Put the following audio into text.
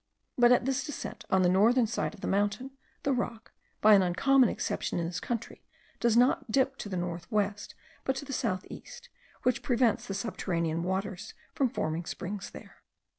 But at this descent on the northern side of the mountain, the rock, by an uncommon exception in this country, does not dip to north west, but to south east, which prevents the subterranean waters from forming springs there.